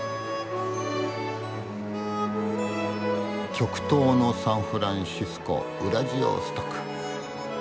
極東のサンフランシスコウラジオストク。